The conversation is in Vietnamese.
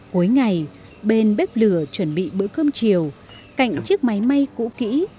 cuối ngày bên bếp lửa chuẩn bị bữa cơm chiều cạnh chiếc máy may cũ kỹ